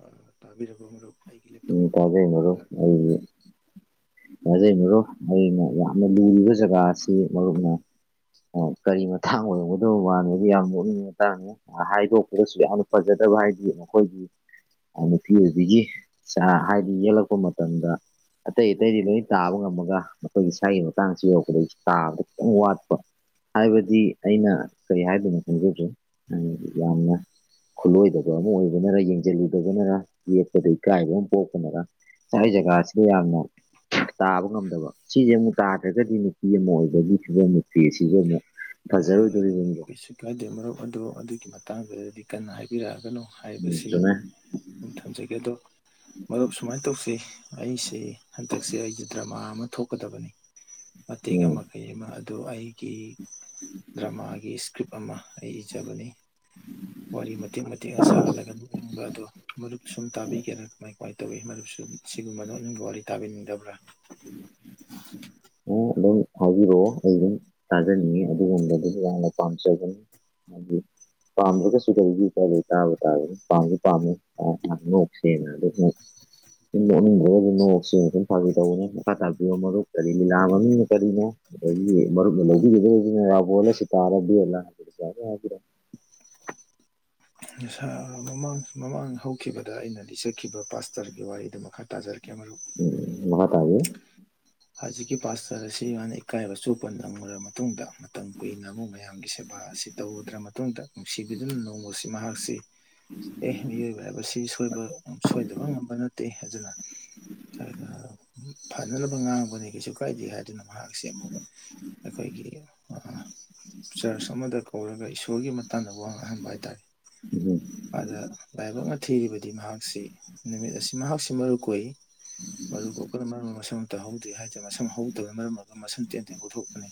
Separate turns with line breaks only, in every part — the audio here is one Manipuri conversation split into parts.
ꯑ ꯇꯥꯕꯤꯔ
ꯎꯝ ꯇꯥꯖꯦꯅꯔ
ꯇꯥꯕꯤꯔꯝꯃꯒꯅꯤ
ꯇꯖꯦꯅꯔ ꯑꯩꯅ ꯌꯥꯝꯅ ꯂꯨꯔꯤꯕ ꯖꯒꯥ ꯑꯁꯤ ꯃꯔꯨꯞ ꯑꯣꯏꯅ ꯀꯔꯤ ꯃꯇꯥꯡ ꯑꯣꯏꯔꯝꯒꯗ ꯋꯥꯅꯦꯗꯤ ꯌꯥꯝ ꯅꯣꯛꯛꯅꯤꯡꯉꯇꯥꯥꯔꯅꯦ ꯍꯥꯏꯗꯣꯛꯄꯒꯁꯨ ꯌꯥꯝꯅ ꯐꯖꯗꯦ ꯐꯠꯇꯕ ꯍꯥꯏꯗꯤ ꯃꯈꯣꯏꯒꯤ ꯅꯨꯄꯤ ꯑꯣꯏꯕꯤꯒꯤ ꯍꯥꯏꯗꯤ ꯌꯦꯛꯂꯛꯄ ꯃꯇꯝꯗ ꯑꯇꯩ ꯑꯇꯩꯗꯤ ꯂꯣꯏ ꯇꯥꯕ ꯉꯝꯃꯒ ꯃꯈꯣꯏꯒꯤ ꯏꯁꯥꯒꯤ ꯃꯇꯥꯡꯁꯤ ꯌꯧꯔꯛꯄꯗꯒꯤ ꯇꯥꯕꯗ ꯈꯤꯇꯪ ꯋꯥꯠꯄ ꯍꯥꯏꯕꯗꯤ ꯑꯩꯅ ꯀꯔꯤ ꯍꯥꯏꯗꯣꯏꯅꯣ ꯈꯪꯖꯗꯦ ꯌꯥꯝꯅ ꯈꯨꯠꯂꯣꯏꯗꯕ ꯑꯃ ꯑꯣꯏꯕꯅꯔ ꯌꯦꯡꯁꯤꯜꯂꯨꯗꯕꯅꯔ ꯌꯦ ꯑ ꯏꯀꯥꯏꯕ ꯑꯃ ꯄꯣꯛꯄꯅꯒ ꯉꯥꯏ ꯖꯒꯥꯁꯤꯗ ꯌꯥꯝꯅ ꯇꯥꯕ ꯉꯝꯗꯕ ꯁꯤꯁꯦ ꯑꯃꯨꯛ ꯇꯥꯗ꯭ꯔꯒꯗꯤ ꯅꯨꯄꯤ ꯑꯃ ꯑꯣꯏꯕꯒꯤꯁꯤꯁꯨ ꯑꯃꯨꯛ ꯐꯤ ꯁꯤꯁꯨ ꯑꯃꯨꯛ ꯐꯖꯔꯣꯏꯗꯣꯔꯤꯕꯅꯤ
ꯀꯩꯁꯨ ꯀꯥꯏꯗꯦ ꯃꯔꯨꯞ ꯑꯗꯨ ꯑꯗꯨꯒꯤ ꯃꯇꯥꯡꯗꯨꯗꯗꯤ ꯀꯟꯅ ꯍꯥꯏꯕꯤꯔꯛꯑꯒꯅꯣ
ꯎꯝ
ꯍꯥꯏꯕꯁꯤ
ꯆꯨꯝꯃꯦ
ꯊꯝꯖꯒꯦ ꯑꯗꯣ ꯃꯗꯨꯨꯞ ꯁꯨꯃꯥꯏꯅ ꯇꯧꯁꯤꯩ ꯑꯩꯁꯦ ꯍꯟꯗꯛꯁꯦ ꯑꯩꯁꯦ ꯗ꯭ꯔꯃꯥ ꯑꯃ ꯂꯧꯊꯣꯛꯀꯗꯕꯅꯤ ꯃꯇꯦꯛ
ꯎꯝ
ꯑꯃ ꯀꯩ ꯑꯃ ꯑꯗ ꯑꯩꯒꯤ ꯗ꯭ꯔꯃꯥꯒꯤ ꯏꯁꯀ꯭ꯔꯤꯞ ꯑꯃ ꯑꯩ ꯏꯖꯕꯅꯤ ꯋꯥꯔꯤ ꯃꯇꯦꯛ ꯃꯇꯦꯛꯅ ꯁꯥꯒꯠꯂꯒ ꯂꯨꯅꯤꯡꯕ ꯑꯗꯨ ꯃꯨꯞ ꯁꯨꯝ ꯇꯥꯕꯤꯒꯦꯔꯥ ꯀ ꯀꯃꯥꯏꯅ ꯇꯧꯋꯤ ꯃꯁꯨ ꯁꯤꯒꯨꯝꯕꯗꯣꯅꯤꯡꯒ ꯋꯥꯔꯤ ꯇꯥꯕꯤꯅꯤꯡꯗꯕ꯭ꯔꯥ
ꯑꯗꯨꯝ ꯍꯥꯏꯕꯤꯔꯛꯑꯣ ꯑꯩ ꯑꯗꯨꯝ ꯇꯥꯖꯅꯤꯡꯉꯤ ꯑꯗꯨꯒꯨꯝꯕꯗꯨ ꯌꯥꯝꯅ ꯄꯥꯝꯖꯕꯅꯤ ꯑꯗꯨꯗꯤ ꯄꯥꯝꯗ꯭ꯔꯒꯁꯨ ꯀꯔꯤꯒꯤ ꯀꯗ ꯇꯥꯕ ꯇꯥꯗꯅ ꯄꯥꯝꯁꯨ ꯄꯥꯝꯃꯦꯛꯁꯦꯅ ꯑ ꯑꯃꯨꯛ ꯑꯣꯁꯤꯟ ꯐꯥꯤ ꯇ ꯈ ꯇꯕꯤ ꯀꯔꯤ ꯂꯤꯂꯥ ꯃꯃꯤꯡꯅꯣ ꯀꯔꯤꯅꯣ ꯃꯔꯨꯞꯅ ꯂꯧꯕꯤꯒꯗꯧꯅꯤꯅ ꯔꯥꯕꯣꯜꯂ ꯑꯁꯤ ꯇꯥꯔꯗꯤꯂ ꯍꯥꯏ ꯌꯥꯔꯦ ꯍꯥꯏꯒ꯭ꯔ
[unintelligible] ꯃꯃꯥꯡ ꯃꯃꯥꯡ ꯍꯧꯈꯤꯕꯗ ꯑꯩꯅ ꯂꯤꯆꯈꯤꯕ ꯄꯥꯁꯇꯔꯒꯤ ꯋꯥꯔꯤꯗꯨ ꯃꯈꯥ ꯇꯥꯖꯔꯛꯀꯦ ꯀꯦꯃꯔꯨ
ꯑꯣꯀꯦ
ꯍꯧꯖꯤꯛꯀꯤ ꯄꯥꯁꯇꯔ ꯑꯁꯤ ꯃꯥꯅ ꯏꯀꯥꯏꯕ ꯆꯨꯄ ꯅꯪꯉꯔꯕ ꯃꯇꯨꯡꯗ ꯃꯇꯝ ꯀꯨꯏꯅ ꯑꯃꯨꯛ ꯃꯌꯥꯝꯒꯤ ꯁꯦꯕꯥ ꯑꯁꯤ ꯇꯧꯨꯗ꯭ꯔ ꯃꯇꯨꯡꯗ ꯅꯨꯡꯁꯤꯕꯤꯗꯨꯅ ꯅꯣꯡꯃꯁꯤ ꯃꯍꯥꯛꯁꯤ ꯑꯦ ꯃꯤꯑꯣꯏꯕ ꯍꯥꯏꯕ ꯁꯤꯣꯏꯕ ꯁꯣꯏꯗꯕ ꯉꯝꯕ ꯅꯠꯇꯦ ꯍꯥꯏꯅ ꯐꯅꯅꯕ ꯑꯥꯡ ꯀꯩꯁꯨ ꯀꯥꯏꯗꯦ ꯍꯥꯏꯗꯨꯅ ꯃꯍꯥꯛꯁꯦ ꯑꯃꯨꯛ ꯑꯩꯈꯣꯏꯒꯤ ꯆꯔꯆ ꯑꯃꯗ ꯀꯧꯔꯒ ꯏꯁꯣꯔꯒꯤ ꯇꯥꯟꯅꯕ ꯋꯥꯡꯅꯍꯟꯕ ꯍꯥꯏꯇꯥꯔꯦ
ꯎꯝ
ꯑꯗ ꯂꯥꯏꯕꯛ ꯊꯤꯔꯤꯕꯗꯤ ꯃꯍꯥꯛꯁꯤ ꯅꯨꯃꯤꯠ ꯑꯁꯤ ꯃꯍꯥꯛꯁꯤ ꯃꯔꯨ ꯀꯨꯏ ꯃꯔ ꯀꯁꯠꯇ [unintelligible] ꯑꯗꯨꯏ ꯍꯥꯏꯇꯥꯔꯦ ꯃꯁꯝ ꯍꯧꯗꯕꯅ ꯃꯔꯝ ꯑꯣꯏꯔꯒ ꯃꯁꯨꯝ ꯇꯦꯟ ꯇꯦꯟ ꯄꯨꯊꯣꯛꯀꯅꯤ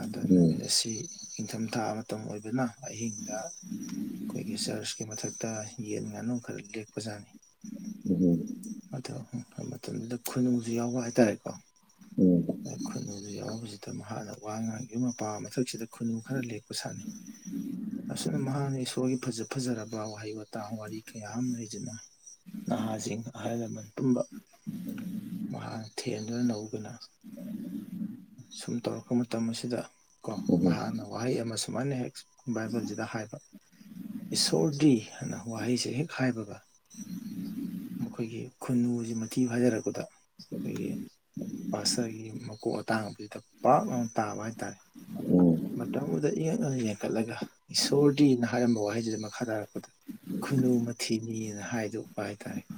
ꯑꯗ
ꯎꯝ
ꯅꯨꯃꯤꯠ ꯑꯁꯤ ꯅꯤꯡꯪꯊꯝꯊꯥ ꯃꯇꯝ ꯑꯣꯏꯕꯅ ꯑꯍꯤꯡꯗ ꯑꯩꯈꯣꯏꯒꯤ ꯆꯔꯆꯀꯤ ꯃꯊꯛꯇ ꯌꯦꯟ ꯉꯥꯅꯨ ꯈꯔ ꯂꯦꯛꯄꯖꯥꯠꯅꯤ
ꯎꯝ
ꯃꯇꯝꯗꯨꯗ ꯈꯨꯅꯨꯡꯁꯨ ꯌꯥꯎꯕ ꯍꯥꯏꯇꯥꯔꯦꯀꯣ
ꯎꯝ
ꯈꯨꯟꯅꯨꯗꯨ ꯌꯥꯎꯕꯁꯤꯗ ꯃꯍꯥꯛꯅ ꯋꯥ ꯉꯥꯡꯈꯤꯕ ꯃꯄꯥ ꯃꯊꯛꯁꯤꯗ ꯈꯨꯟꯅꯨ ꯈꯔ ꯂꯦꯛꯄ ꯁꯥꯟꯅꯩ [unintelligible] ꯑꯁꯨꯝꯅ ꯃꯍꯥꯛꯅ ꯏꯁꯣꯔꯒꯤ ꯐꯖ ꯐꯖꯔꯕ ꯋꯥꯍꯩ ꯋꯥꯇꯥ ꯋꯥꯔꯤ ꯀꯌꯥ ꯑꯃ ꯂꯩꯖꯅꯩ ꯅꯍꯥꯁꯤꯡ ꯑꯍꯜ ꯂꯃꯟ ꯄꯨꯝꯕ ꯃꯍꯥꯛ ꯊꯦꯟꯗꯨꯅ ꯅꯧꯕꯅ ꯑꯁꯨꯝ ꯇꯧꯔꯛꯄ ꯃꯇꯝ ꯑꯁꯤꯗ ꯀꯣ
ꯎꯝ
ꯃꯍꯥꯛꯅ ꯋꯥꯍꯩ ꯑꯃ ꯁꯨꯃꯥꯏꯅ ꯍꯦꯛ ꯕꯥꯏꯕꯜꯁꯤꯗ ꯍꯥꯏꯕ ꯏꯁꯣꯔꯗꯤ ꯍꯥꯏꯅ ꯋꯥꯍꯩꯁꯦ ꯍꯦꯛ ꯍꯥꯏꯕꯒ ꯃꯈꯣꯏꯒꯤ ꯈꯨ ꯈꯨꯟꯅꯨꯁꯤ ꯃꯊꯤ ꯍꯥꯏꯖꯔꯛꯄꯗ
ꯎꯝ
ꯄꯠꯁꯒꯤ ꯃꯀꯣꯛ ꯑꯇꯥꯡꯕꯗꯨꯗ ꯄꯥꯛ ꯂꯥꯎꯅ ꯇꯥꯕ ꯍꯥꯏꯇꯥꯔꯦ
ꯎꯝ
ꯃꯇꯝꯗꯨꯗ ꯏꯉꯛꯅꯅ ꯌꯦꯦꯟꯈꯠꯂꯒ ꯏꯁꯣꯔꯗꯤꯅ ꯍꯥꯏꯔꯝꯕ ꯋꯥꯍꯩꯁꯤꯗ ꯃꯈꯥ ꯇꯥꯔꯛꯄꯗ ꯈꯨꯅꯨ ꯃꯊꯤꯅꯤꯅ ꯍꯥꯏꯗꯣꯛꯄ ꯍꯥꯏꯇꯥꯔꯦꯀꯣ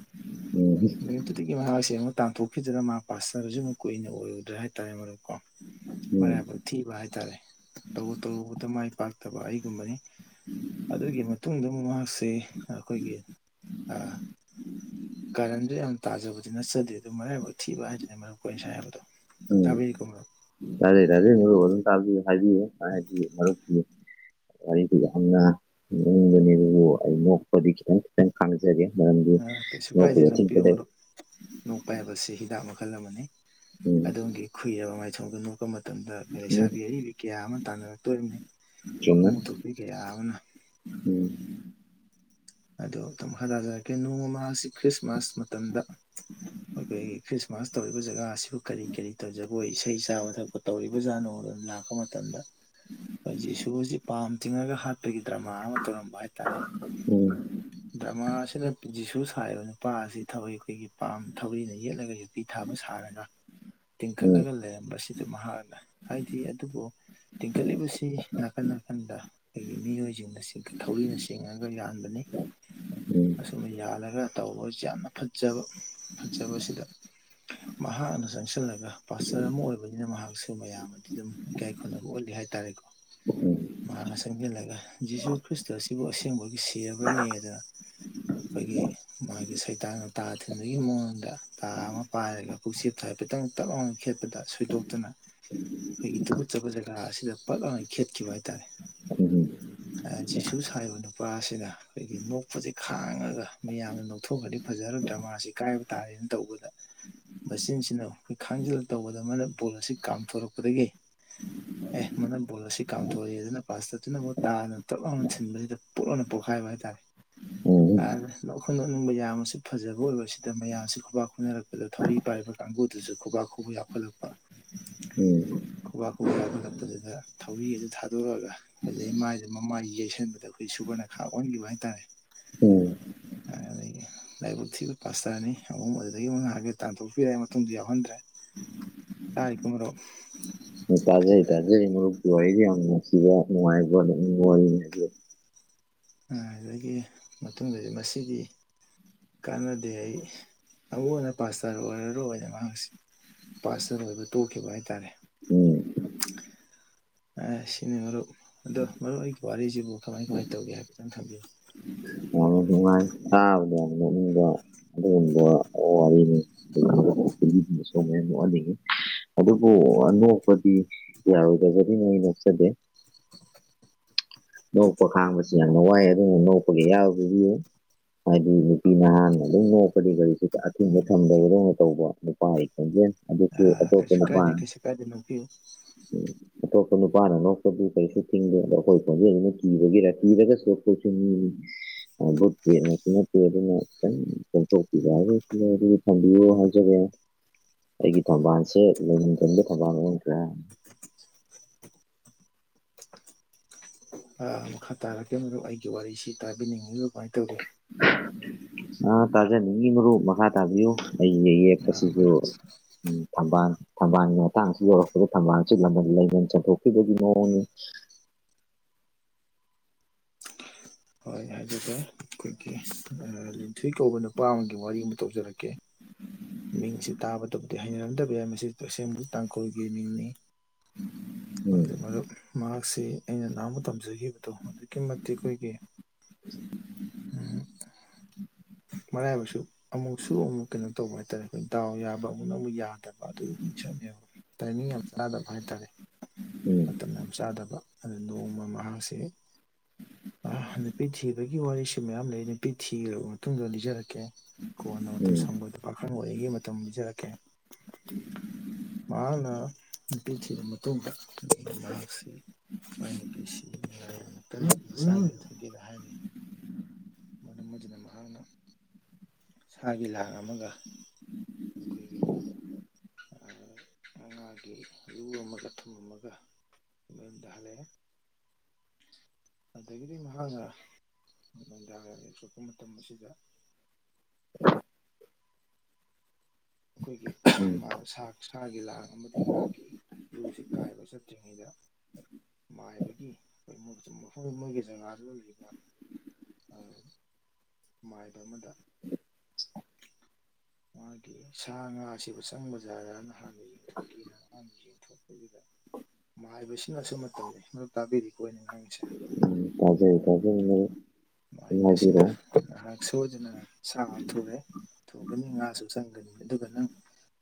ꯎꯝ
ꯃꯦꯠꯇꯨꯗꯒꯤ ꯃꯍꯥꯛꯁꯦ ꯑꯃꯨꯛ ꯇꯥꯟꯊꯣꯛꯈꯤꯗ꯭ꯔ ꯃꯥ ꯄꯥꯁꯔꯁꯨ ꯑꯃꯨꯛ ꯀꯨꯏꯅ ꯑꯣꯏꯔꯗ꯭ꯔꯥ ꯍꯥꯏꯔꯦ ꯇꯔꯀꯣ
ꯎꯝ
ꯃꯔꯥꯏꯕ ꯊꯤꯕ ꯍꯥꯏ ꯇꯔꯦ ꯇꯧꯔꯨ ꯇꯧꯔꯨꯕꯗ ꯃꯥꯏ ꯄꯥꯛꯇꯕ ꯑꯩꯒꯨꯝꯕꯅꯤ ꯑꯗꯨꯒꯤ ꯃꯇꯨꯡꯗ ꯑꯃꯨꯛ ꯃꯍꯥꯛꯁꯦ ꯑꯩꯈꯣꯏꯒꯤ ꯀꯔꯟꯁꯨ ꯌꯥꯝ ꯇꯥꯖꯕꯗꯤ ꯅꯠꯆꯗꯦ ꯑꯗꯨ ꯃꯔꯥꯏꯕꯛ ꯊꯤꯕ ꯍꯥꯏꯗꯨꯅꯦ ꯃꯔꯝ ꯀ ꯑꯣꯏꯅꯅ ꯁ ꯍꯥꯏꯕꯗꯣ ꯇꯕꯔꯤꯀ ꯃꯔꯨꯞ
ꯇꯔꯦ ꯇꯖꯦ ꯃꯝ ꯇ ꯍꯥꯏꯗꯤ ꯍ ꯋꯥꯔꯤꯗꯨ ꯌꯥꯝꯅ ꯅꯤꯡꯕꯅꯦ ꯑꯗꯨꯕꯨ ꯑꯩ ꯅꯣꯛꯄꯗꯤ ꯈꯤꯇꯪ ꯈꯤꯇꯪ ꯀꯥꯟꯅꯖꯒꯦ
ꯀꯩꯁꯨ ꯀꯥꯏꯁꯦ ꯅꯨꯄꯤ ꯃꯔꯨꯞ ꯅꯣꯛꯄ ꯍꯥꯏꯕꯁꯤ ꯍꯤꯗꯥꯛ ꯃꯈꯜ ꯑꯃꯅꯤ
ꯎꯝ
ꯑꯗꯣꯝꯒꯤ ꯈꯨꯨꯏꯔꯕ ꯃꯥꯏꯊꯣꯡꯒꯅꯨ ꯄ ꯃꯇꯝꯗ ꯑꯩꯈꯣꯏ
ꯎꯝ
ꯂꯩꯁꯥꯕꯤ ꯑꯔꯤꯕꯤ ꯀꯌꯥ ꯑꯃ ꯇꯥꯟꯅꯔꯛꯇꯣꯔꯤꯕꯅꯤ
ꯆꯨꯝꯃꯦ
ꯈꯨꯨꯃꯨ ꯇꯧꯄꯤ ꯀꯕꯅ
ꯎꯝ
ꯑꯗꯣꯇꯪ ꯃꯈꯥꯔ ꯇꯥꯖꯔꯛꯀꯦ ꯅꯣꯡꯃꯁꯤ ꯈ꯭ꯔꯤꯁꯃꯥꯁ ꯃꯇꯝꯗ ꯑꯩꯈꯣꯏꯒꯤ ꯈ꯭ꯔꯤꯁꯃꯥꯁ ꯇꯧꯔꯤꯕ ꯖꯒꯥ ꯑꯁꯤꯕꯨ ꯀꯔꯤ ꯀꯔꯤ ꯇꯧꯖ ꯑꯩꯈꯣꯏ ꯏꯁꯩ ꯆꯥꯕ ꯊꯛꯄ ꯇꯧꯔꯤꯕ ꯖꯥꯠꯅꯣꯗꯨꯅ ꯂꯥꯛꯄ ꯃꯇꯝꯗ ꯑꯩꯈꯣꯏꯁꯦ ꯁꯣꯔꯁꯤ ꯄꯥꯝ ꯇꯤꯡꯉꯒ ꯍꯥꯠꯄꯒꯤ ꯗ꯭ꯔꯃꯥ ꯑꯃ ꯇꯧꯔꯝꯕ ꯍꯥꯏꯇꯥꯔꯦ
ꯎꯝ
ꯗ꯭ꯔꯃꯥꯁꯤꯅ ꯖꯤꯁꯨ ꯁꯥꯔꯤꯕ ꯅꯨꯄꯥ ꯑꯁꯤ ꯊꯏ ꯑꯩꯈꯣꯏꯒꯤ ꯊꯧꯔꯤꯅ ꯌꯦꯠꯂꯒꯁꯨ ꯄꯤ ꯊꯥꯕ ꯁꯥꯔꯒ
ꯎꯝ
ꯇꯤꯡꯈꯠꯂꯒ ꯂꯩꯔꯝꯕꯁꯤꯗ ꯃꯍꯥꯛꯅ ꯍꯥꯏꯗꯤ ꯑꯗꯨꯕꯨ ꯇꯤꯡꯈꯠꯂꯤꯕꯁꯤ ꯅꯥꯀꯟ ꯅꯥꯀꯟꯗ ꯑꯩꯈꯣꯏꯒꯤ ꯃꯤꯑꯣꯏꯁꯤꯡꯅ ꯊꯧꯔꯤꯅ ꯁꯦꯡꯉꯒ ꯌꯥꯥꯟꯕꯅꯤ
ꯎꯝ
ꯑꯁꯨꯝ ꯌꯥꯜꯂꯒ ꯇꯧꯕꯁꯨ ꯌꯥꯝꯅ ꯐꯖꯕ ꯐꯖꯕꯁꯤꯗ ꯃꯍꯥꯛꯅ ꯆꯪꯁꯤꯜꯂꯒ ꯄꯥꯁꯇꯔ ꯑꯃ ꯑꯣꯏꯕꯅꯤꯅ ꯃꯍꯥꯛꯁꯨ ꯃꯌꯥꯝ ꯑꯃꯗꯤ ꯑꯗꯨꯝ ꯏꯀꯥꯏ ꯈꯨꯝꯅꯕ ꯎꯠꯜꯂꯤ ꯍꯥꯏ ꯍꯥꯏꯇꯥꯔꯦꯀꯣ
ꯎꯝ ꯎꯝ
ꯃꯥꯅ ꯆꯪꯁꯤꯜꯂꯒ ꯖꯤꯁꯨ ꯈ꯭ꯔꯤꯁꯇ ꯑꯁꯤꯕꯨ ꯑꯁꯦꯡꯕꯒꯤ ꯁꯤꯕ꯭ꯔꯅꯦ ꯑꯗꯨꯅ ꯑꯩꯈꯣꯏꯒꯤ ꯃꯥꯒꯤ ꯁꯩꯇꯥꯅ ꯇꯥ ꯊꯤꯟꯕꯒꯤ ꯃꯑꯣꯡꯗ ꯇꯥ ꯑꯃ ꯄꯥꯏꯔꯒ ꯄꯨꯛꯆꯦꯞꯇ ꯍꯥꯏ ꯈꯤꯇꯪ ꯇꯞ ꯂꯥꯎꯅꯒ ꯈꯦꯠꯄꯗ ꯁꯣꯏꯗꯣꯛꯇꯨꯅ ꯑꯩꯈꯣꯏꯒꯤ ꯇꯨꯈꯠꯆꯕ ꯖꯒꯥ ꯑꯁꯤꯗ ꯄꯥꯛꯂꯅ ꯈꯦꯠꯈꯤꯕ ꯍꯥꯏꯇꯥꯔꯦ ꯖꯤꯁꯨ ꯁꯥꯕ ꯅꯨꯄꯥ ꯑꯁꯤꯅ ꯑꯩꯈꯒꯤ ꯅꯣꯛꯄꯁꯤ ꯈꯥꯡꯉꯒ ꯃꯤꯌꯥꯝꯅ ꯅꯣꯛꯊꯣꯛꯑꯗꯤ ꯐꯖꯔ ꯗ꯭ꯔꯃꯥꯁꯤ ꯀꯥꯏꯕ ꯇꯥꯔꯦꯅ ꯇꯧꯕꯗ ꯃꯆꯤꯟꯁꯤꯅ ꯑꯩꯈꯣꯏ ꯈꯥꯡꯖꯤꯜꯂꯒ ꯇꯧꯕꯗꯃꯅ ꯕꯣꯜ ꯑꯁꯤ ꯀꯥꯝꯊꯣꯔꯛꯄꯗꯒꯤ ꯑꯦ ꯃꯅ ꯕꯣꯜ ꯑꯁꯤ ꯀꯥꯝꯊꯣꯛꯛꯏꯦ ꯑꯗꯨꯅ ꯄꯥꯁꯇꯠꯇꯨꯅꯕꯨ ꯇꯥꯅ ꯇꯞ ꯂꯥꯎꯅ ꯊꯤꯟꯕꯁꯤꯗ ꯄꯨꯣꯛꯛꯅ ꯄꯣꯛꯛ ꯐꯥꯏ ꯐꯚꯥꯏ ꯇꯥꯏ
ꯎꯝ ꯎꯝ
ꯅꯈꯣꯏ ꯅꯣꯛꯅꯤꯡꯕ ꯌꯥꯝꯅꯁꯨ ꯐꯖꯕ ꯑꯣꯏꯕꯁꯤꯗ ꯃꯌꯥꯝꯁꯤ ꯈꯨꯕꯥꯛ ꯈꯨꯅꯔꯛꯄꯗ ꯊꯧꯔꯤ ꯄꯥꯏꯔꯤꯕ ꯀꯥꯡ ꯗꯨꯁꯨ ꯈ ꯈꯨ ꯌꯥꯐꯂꯛꯄ ꯈ ꯈ ꯀꯠꯄꯗꯨꯗ ꯊꯧꯔꯤ ꯑꯗꯨ ꯊꯥꯗꯣꯛꯑꯒ ꯑꯩꯈꯣꯏꯗꯩꯃꯥꯏꯁꯦ ꯃꯃꯥꯏ ꯌꯩꯁꯟꯕꯗ ꯑꯩꯈꯣꯏ ꯁꯨꯕꯔꯅ ꯈꯥꯛ ꯑꯣꯟꯈꯤꯕ ꯍꯥꯏꯇꯥꯔꯦ
ꯑꯣ [unintelligible] [inaudible]
ꯑꯗꯒꯤ ꯂꯥꯏꯕꯛ ꯊꯤꯕ ꯄꯥꯁ ꯇꯔꯅꯤ ꯑꯍꯨꯝ ꯑꯗꯨꯗꯒꯤ ꯑꯃꯨꯛ ꯉꯥꯛꯑꯒꯦ ꯇꯥꯟꯊꯣꯛꯄꯤꯔꯛꯑꯦ ꯃꯇꯨꯡꯗꯤ ꯌꯥꯎꯍꯟꯗ꯭ꯔꯦ ꯇꯥꯏ ꯀꯨꯃꯔꯣ
ꯇꯥꯖꯩ ꯇꯖꯩ ꯃꯨꯞ ꯌꯥꯝꯁꯤꯕꯅꯨꯡꯉꯥꯏꯅꯨꯡꯉ
ꯑꯗꯨꯗꯒꯤ ꯃꯇꯨꯡꯗꯗꯤ ꯃꯁꯤꯗꯤ ꯀꯥꯟꯅꯗꯦ ꯑꯩ ꯑꯃꯨꯛ ꯍꯟꯅ ꯄꯥꯁꯇꯔ ꯑꯣꯏꯔꯔꯣꯏꯅ ꯃꯥꯡꯁꯤ ꯄꯥꯔꯁꯜ ꯑꯣꯏꯕ ꯇꯣꯛꯈꯤꯕ ꯍꯥꯏꯇꯥꯔꯦ
ꯎꯝ
ꯁꯤꯅꯤ ꯃꯔꯨꯞ ꯑꯗꯣ ꯃꯔꯨꯞ ꯑꯩꯒꯤ ꯋꯥꯔꯤꯁꯤꯕꯨ ꯀꯃꯥꯏ ꯀꯃꯥꯏꯅ ꯇꯧꯒꯦ ꯍꯥꯏꯐꯦꯠꯇꯪ ꯊꯝꯕꯤꯌꯨ [unintelligible] [inaudible]
ꯑꯥꯎꯗꯗ ꯎ [unintelligible] [inaudible] ꯃꯦ [unintelligible] [inaudible] ꯑꯗꯨꯕꯨ ꯑꯅꯣꯛꯄꯗꯤ ꯌꯥꯔꯣꯏꯗꯕꯅꯤꯅ ꯑꯩ ꯅꯣꯛꯆꯗꯦ
[unintelligible] [inaudible]
ꯅꯣꯛꯄ ꯈꯥꯡꯕꯁꯤ ꯌꯥꯝꯅ ꯋꯥꯏ ꯑꯗꯨꯅ ꯅꯣꯛꯄꯒꯤ ꯑꯌꯥꯕ ꯄꯤꯕꯤꯌꯨ ꯍꯥꯏꯗꯤ ꯅꯨꯄꯤ ꯅꯍꯥꯟꯅ ꯑꯗꯨꯝ ꯅꯣꯛꯄꯗꯤ ꯒꯥꯔꯤꯁꯤ ꯑꯊꯤꯡꯕ ꯊꯝꯗꯕꯗꯧꯅ ꯇꯧꯕ ꯅꯨꯄꯥ ꯇꯒꯦ ꯑꯗꯨ [unintelligible] [inaudible]
ꯑ ꯀꯩꯁꯨ ꯀꯥꯏꯗꯦ ꯀꯩꯁꯨ ꯀꯥꯏꯗꯦ ꯅꯄꯤꯌꯣ
ꯑꯇꯣꯞꯄ ꯅꯨꯄꯥꯅ ꯅꯣꯛꯄꯕꯨ ꯀꯩꯁꯨ ꯊꯤꯡꯗꯦ ꯑꯗꯣ ꯑꯩꯈꯣꯏ ꯈꯣꯟꯖꯩꯁꯤꯅ ꯀꯤꯕꯒꯤꯔ ꯀꯤꯔꯒꯁꯨ ꯑꯩꯣꯏꯠꯁꯨ ꯅꯤ
[unintelligible] [inaudible]
ꯅꯠꯇꯦ ꯑꯗꯨꯅ ꯈꯤꯇꯪ ꯀꯊꯣꯛꯄꯤꯕ ꯍꯥꯏ ꯑꯗꯨꯗꯤ ꯊꯝꯕꯤꯌꯣ ꯍꯥꯏꯖꯔꯦ ꯑꯩꯒꯤ ꯊꯧꯕꯥꯜꯁꯦ ꯂꯩꯐꯝ ꯆꯕ ꯊꯧꯕꯥꯜ ꯑꯣꯈ꯭ꯔꯥ
[unintelligible] [inaudible] ꯑ ꯃꯈꯥ ꯇꯥꯔꯛꯀꯦ ꯃ ꯑꯩꯒꯤ ꯋꯥꯔꯤꯁꯤ ꯇꯥꯕꯤꯅꯤꯡꯉꯤꯕ ꯀꯃꯥꯏꯅ ꯇꯧꯔꯤ
ꯑꯥ ꯇꯥꯖꯥ ꯅ ꯃꯔꯔ ꯃꯈꯥ ꯇꯥꯕꯤꯌꯨ ꯑꯩ
ꯑ
ꯌꯦꯛꯄꯁꯤꯁꯨ
ꯃꯔꯨꯞ
ꯊꯝꯕꯥꯜ ꯊꯝꯕꯥꯜꯒꯤ ꯃꯇꯥꯡꯁꯤ ꯌꯧꯔꯛꯄꯗ ꯊꯝꯕꯥꯜꯁꯤ ꯂꯃꯟ ꯂꯩꯃꯟ ꯆꯟꯊꯣꯛꯄꯤꯕꯒꯤ ꯃꯑꯣꯡꯅꯤ
[unintelligible] [inaudible] ꯑꯩ ꯍꯥꯏꯖꯒꯦ ꯑꯩꯈꯣꯏꯒꯤ ꯂꯤꯟꯊꯣꯏ ꯀꯧꯕ ꯅꯨꯄꯥ ꯑꯃꯒꯤ ꯋꯥꯔꯤ ꯑꯃ ꯇꯧꯖꯔꯛꯀꯦ ꯃꯤꯡꯁꯤ ꯇꯥꯕꯗꯕꯨꯗꯤ ꯍꯩꯅꯔꯝꯗꯕ ꯌꯥ ꯃꯁꯤ ꯇꯣꯏꯁꯦꯝꯕꯨ ꯇꯥꯡꯈꯨꯜꯒꯤ ꯃꯤꯡꯅꯤ ꯑꯗꯨ
ꯎꯝ
ꯃ ꯃꯥ ꯁꯤ ꯑꯩꯅ ꯅꯍꯃ ꯇꯝꯖꯈꯤꯕꯗꯣ ꯑꯗꯨꯛꯀꯤ ꯃꯇꯤꯛ ꯑꯩꯈꯣꯏꯒꯤ ꯎꯝ ꯃꯔꯥꯏꯕꯁꯨ ꯑꯃꯨꯛꯁꯨ ꯑꯃꯨꯛ ꯀꯩꯅꯣ ꯇꯧꯕ ꯍꯥꯏꯇꯥꯔꯦ ꯑꯩꯈꯣꯏ ꯗꯥꯎ ꯌꯥꯕ ꯑꯃꯨꯛꯅ ꯑꯃꯨꯛ ꯌꯥꯗꯕ ꯑꯗꯨꯒꯨꯝꯕ ꯃꯤꯁꯛꯅꯦꯕ ꯇ ꯃꯤ ꯌꯥꯝ ꯆꯥꯗꯕ ꯍꯥꯏꯇꯥꯔꯦ
ꯎꯝ
ꯃꯇꯝ ꯌꯥꯝ ꯆꯥꯗꯕ ꯑꯗꯨ ꯅꯣꯡꯃ ꯃꯍꯥꯛꯁꯦ ꯅꯨꯄꯤ ꯊꯤꯕꯒꯤ ꯋꯥꯔꯤꯁꯨ ꯃꯌꯥꯝ ꯂꯩ ꯅꯨꯄꯤ ꯊꯤꯈꯔꯕ ꯃꯇꯨꯡꯗ ꯂꯤꯖꯔꯛꯀꯦ ꯀꯣꯟꯅ ꯃꯇꯝ
ꯎꯝ
ꯁꯪꯕꯗ ꯑꯈꯪ ꯑꯣꯏꯔꯤꯩꯉꯩ ꯃꯇꯝ ꯄꯤꯖꯔꯛꯀꯦ ꯃꯥꯅ ꯄꯤꯊ ꯃꯇꯨꯡꯁꯤ ꯑꯩ ꯅꯨꯄꯤꯁꯤ ꯍꯥꯏ ꯃꯔꯝ ꯑꯗꯨꯅ ꯃꯍꯥꯛꯅ ꯏꯁꯒꯤ ꯂꯥꯡ ꯑꯃꯒ ꯈꯣꯏꯒ ꯉꯥꯒꯤ ꯂꯨ ꯑꯃꯒ ꯊꯨꯝꯃꯒ ꯗꯦꯊ ꯃꯍꯥꯛꯍꯅ ꯗꯥꯡ ꯌꯦꯛ ꯁꯣꯛꯄ ꯃꯇꯝ ꯑꯁꯤꯗ ꯑꯩꯈꯣꯏꯒꯤ
ꯎꯝ
ꯃꯥ ꯁꯥꯔ ꯁꯥꯥꯒꯤ ꯂꯥꯡ ꯑꯃꯗꯤ ꯉꯥꯒꯤ ꯌꯨꯁꯤ ꯀꯥꯏꯕ ꯆꯠꯇ꯭ꯔꯤꯉꯩꯗ ꯃꯥꯏꯕꯒꯤ ꯑꯩꯈꯣꯏꯣꯏ ꯃꯐꯝ ꯃꯣꯏꯒꯤ ꯖꯒꯥꯗꯨꯗ ꯂꯩꯕ ꯃꯥꯅꯤ ꯑ ꯃꯥꯏꯗ ꯑꯃꯗ ꯃꯥꯒꯤ ꯁꯥ ꯉꯥꯁꯤꯕꯨ ꯆꯪꯕ ꯖꯥꯗ ꯅꯍꯥꯟꯅ ꯌꯦꯡꯊꯣꯛꯀꯅ ꯃꯥꯅ ꯌꯦꯡꯊꯣꯛꯄꯗꯨꯗ ꯃꯥꯏꯕꯁꯤꯅꯁꯨ ꯃꯇꯝꯅꯤ ꯃꯗꯨ ꯇꯥꯕꯤꯔꯤꯀꯣ ꯑꯩꯅ ꯉꯥꯡꯁꯦ
ꯇꯖꯩ ꯀꯖ
ꯃꯥꯏꯕ ꯑꯁꯤꯅ ꯉꯥꯏꯍꯥꯛ ꯁꯣꯏꯗꯨꯅ ꯁꯥ ꯊꯨꯔꯦ ꯊꯨꯒꯅꯤ ꯉꯥꯁꯨ ꯆꯪꯒꯅꯤ ꯑꯗꯨꯒ ꯅꯪ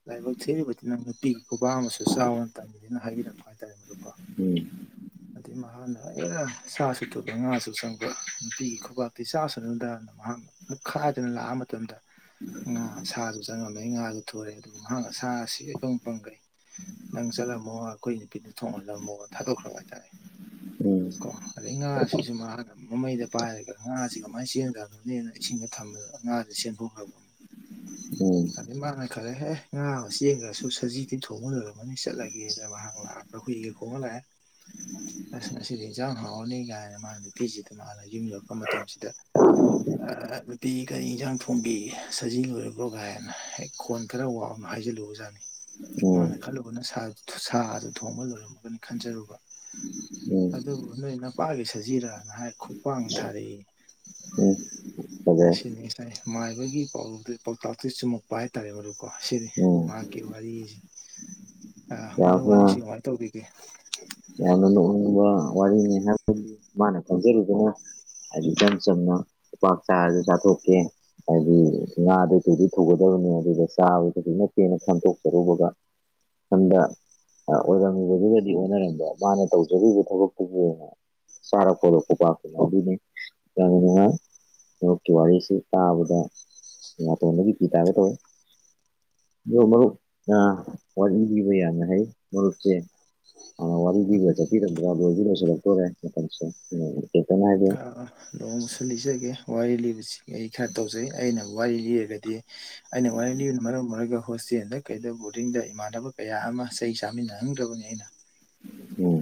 ꯂꯥꯏꯕꯛ ꯊꯤꯕꯗꯤ ꯅꯪ ꯅꯨꯄꯤꯒꯤ ꯈꯨꯕꯥ ꯑꯃꯁꯨ ꯆꯥꯎꯅ ꯇꯝꯕꯤꯔꯦꯅ ꯍꯥꯏꯕꯤꯔꯛꯄ ꯍꯥꯏꯇꯥꯔꯦ ꯃꯗꯨꯀꯣ
ꯎꯝ
ꯑꯩ ꯃꯍꯥꯛꯅ ꯑ ꯁꯥꯥꯁꯨ ꯊꯨꯕ ꯉꯥꯁꯨ ꯆꯪꯕ ꯅꯨꯄꯤꯒꯤ ꯈꯨꯕꯥꯛꯇꯤ ꯆꯥꯁꯨ ꯅꯨꯡꯗꯥꯅꯤ ꯃꯍꯥꯛꯅ ꯃꯤꯠꯈꯥꯏꯗꯅ ꯂꯥꯛꯑ ꯃꯇꯝꯗ ꯉꯥ ꯁꯥꯁꯨ ꯆꯪꯉꯝꯃꯦ ꯉꯥꯁꯨ ꯊꯣꯔꯦ ꯑꯗꯨꯕꯨ ꯃꯍꯥꯛ ꯁꯥ ꯑꯁꯤꯪ ꯄꯪꯈ꯭ꯔꯩ ꯅꯪ ꯆꯠꯂꯝꯃꯣ ꯑꯩꯈꯣꯏ ꯅꯨꯄꯤꯗ ꯊꯣꯡꯍꯜꯂꯝꯃꯣ ꯊꯥꯗꯣꯛꯈ꯭ꯔꯕ ꯍꯥꯏꯇꯥꯔꯦ
ꯎꯝ
ꯀꯣ ꯑꯗꯨꯗꯩ ꯉꯥꯁꯤꯁꯨ ꯃꯥꯅ ꯃꯃꯩꯗ ꯄꯥꯏꯔꯒ ꯉꯥꯥꯁ ꯀꯃꯥꯏꯅ ꯆꯦꯟꯗꯅꯣꯅꯦꯅ ꯏꯁꯤꯡꯗ ꯊ ꯊꯝꯃꯤ ꯑꯉꯥꯡꯗꯨ ꯆꯦꯟꯊꯣꯛꯂꯃꯤ
ꯎꯝ
ꯑꯗꯩ ꯃꯥꯅ ꯈꯜꯂꯦꯍꯦ ꯉꯥ ꯑꯃ ꯌꯦꯡꯉ꯭ꯔꯁꯨ ꯁꯖꯤꯗꯤ ꯊꯣꯡꯍ ꯂꯔꯃꯅꯤ ꯆꯠꯂꯒꯦꯅ ꯃꯍꯥꯛ ꯂꯥꯛꯑꯒ ꯏꯒ ꯀꯣꯡꯉ ꯂꯥꯛꯑꯦ ꯑ ꯑꯁꯤꯗꯤ ꯏꯟꯁꯥꯡ ꯍꯥꯎꯔꯅꯤ ꯀꯥꯏꯅ ꯃꯥ ꯅꯨꯄꯤꯁꯤꯗ ꯃꯥꯅ ꯌꯨꯝ ꯌꯧꯔꯛꯄ ꯃꯇꯝꯁꯤꯗ ꯅꯨꯄꯤꯒꯔꯤ ꯏꯟꯁꯥꯡ ꯊꯣꯡꯕꯤ ꯁꯖꯤ ꯂꯣꯏꯔꯕ꯭ꯔꯣ ꯀꯥꯏꯅ ꯍꯦꯛ ꯈꯣꯟ ꯈꯔ ꯋꯥꯕꯅꯤ ꯍꯥꯏꯖꯤꯜꯂꯨꯕ ꯖꯥꯠꯅꯤ ꯃꯥꯅ
ꯎꯝ
ꯈꯜꯂꯨꯕꯅ ꯁꯥ ꯑꯗꯨ ꯊꯣꯡꯕ ꯂꯣꯏꯔꯝꯃꯒꯅꯤ ꯈꯟꯖꯔꯨꯕ [inaudible]
ꯎꯝ
ꯑꯗꯨꯕꯨ ꯅꯣꯏ ꯅꯄꯥꯒꯤ ꯁꯖꯤꯔꯥꯅ ꯍꯥꯏ ꯈꯨꯄꯥꯡ ꯊꯥꯔꯛꯏ
ꯎꯝ
[inaudible]
ꯐꯖꯩ
ꯑꯁꯤꯅꯤ ꯉꯥꯏ ꯃꯥꯏꯕꯒꯤ ꯄꯥꯎ ꯄꯥꯎꯇꯥꯛꯇꯨ ꯆꯨꯝꯃꯛꯄ ꯍꯥꯏꯇꯥꯔꯦ ꯃꯔꯗꯨꯀꯣ ꯁꯤꯅꯤ
ꯎꯝ
ꯃꯍꯥꯛꯀꯤ ꯋꯥꯔꯤ ꯑ ꯃꯗꯨ
ꯌꯥꯝꯅ
ꯋꯥꯔꯤꯁꯤ ꯀꯃꯥꯏꯅ ꯇꯧꯕꯤꯒꯦ
ꯌꯥꯝꯅ ꯅꯣꯛꯅꯤꯡꯕ ꯋꯥꯔꯤꯅꯤ ꯍꯥꯏꯕꯗꯤ ꯃꯥꯅ ꯐꯥꯎꯖꯔꯤꯗꯅ ꯍꯥꯏꯗꯤ ꯏꯆꯝ ꯆꯝꯅ ꯄꯥꯥꯛ ꯆ ꯆ ꯊꯣꯛꯀꯦ ꯍꯥꯏꯗꯤ ꯉꯥꯗꯩ ꯀꯩꯗꯤ ꯊꯨꯒꯗꯧꯅꯦ ꯑꯗꯨꯗ ꯆꯥꯕꯗ ꯐꯖꯅ ꯄꯦꯟꯅ ꯐꯥꯝꯗꯣꯛꯆꯔꯨꯕꯒ ꯁꯗ ꯑꯣꯏꯗꯤꯕꯗꯤ ꯑꯣꯅꯔꯝꯕ ꯃꯥꯅ ꯇꯧꯖꯈꯤꯕ ꯊꯕꯛꯇꯨꯒꯤ ꯑꯣꯏꯅ ꯆꯥꯔꯛ ꯈꯣꯠꯂꯛꯄ ꯄꯥꯇꯅ ꯑꯗꯨꯅꯤ ꯅꯣꯀꯤ ꯋꯥꯁꯤ ꯇꯥꯕꯗ ꯏ ꯇꯅꯒꯤ ꯄꯤ ꯇꯦ ꯇꯋ ꯃꯔꯨꯞ ꯄꯕ ꯌꯥꯅ ꯍꯥꯏ ꯃꯔꯨꯞꯁꯦ ꯑꯅ ꯋꯥ ꯕ ꯆꯠꯄꯤꯔꯝꯗ꯭ꯔꯥ ꯂꯣꯏꯕꯤ ꯂꯣꯏꯁꯤꯜꯂꯛꯇꯣꯔꯦ ꯃꯇꯝꯁꯇ ꯍꯥꯏ
ꯑꯣꯡꯁꯨ ꯂꯤꯖꯒꯦ ꯋꯥꯔꯤ ꯂꯤꯕꯁꯤ ꯑꯩ ꯈꯔ ꯇꯧꯖꯩ ꯑꯩꯅ ꯋꯥꯔꯤ ꯂꯤꯔꯒꯗꯤ ꯑꯩꯅ ꯋꯥꯔꯤ ꯂꯤ ꯑꯗꯨꯅ ꯃꯔꯝ ꯑꯣꯏꯔꯒ ꯍꯣꯁꯇꯦꯜꯗ ꯀꯩꯗ ꯕꯣꯔꯗꯤꯡꯗ ꯏꯃꯥꯟꯅꯕ ꯀꯌꯥ ꯑꯃ ꯏꯁꯩ ꯆꯥꯃꯤꯟꯅꯍꯪꯗ꯭ꯔꯕꯅꯤ ꯑꯩꯅ
ꯎꯝ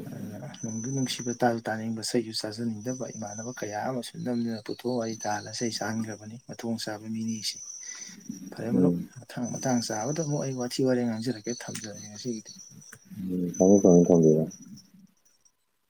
ꯅꯪꯕꯨ ꯅꯤꯡꯅꯨꯡꯁꯤꯕ ꯇꯥꯁꯨ ꯇꯥꯅꯤꯡꯕ ꯏꯁꯩꯁꯨ ꯆꯥꯖꯅꯤꯡꯗꯕ ꯏꯃꯥꯟꯅꯕ ꯀꯌꯥ ꯑꯃꯁꯨ ꯅꯝꯗꯨꯅ ꯄꯨꯊꯣꯛꯑ ꯑꯩ ꯇꯥꯜꯂꯒ ꯏꯁꯩ ꯆꯥꯍꯟꯈ꯭ꯔꯕꯅꯤ ꯃꯊꯣꯡ ꯆꯥꯕ ꯃꯤꯅꯤꯁꯦ ꯐꯔꯦ ꯃꯔꯨꯞ
ꯎꯝ
ꯃꯊꯥꯡ ꯃꯇꯥꯡ ꯆꯥꯕꯗ ꯑꯃꯨꯛ ꯑꯩ ꯋꯥꯔꯤ ꯊꯤ ꯋꯥꯔꯤꯔꯦ ꯉꯥꯡꯖꯔꯛꯀꯦ ꯊꯝꯖꯔꯒꯦ ꯉꯁꯤꯒꯤꯗꯤ
ꯎꯝ ꯀꯅꯤ ꯀꯅꯤꯀꯧꯕꯔ